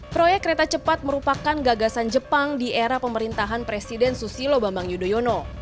proyek kereta cepat merupakan gagasan jepang di era pemerintahan presiden susilo bambang yudhoyono